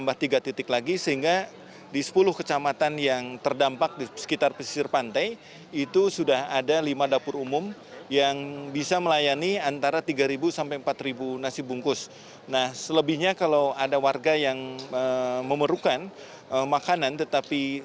bersama saya ratu nabila